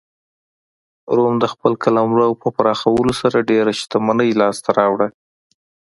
روم د خپل قلمرو په پراخولو سره ډېره شتمنۍ لاسته راوړه.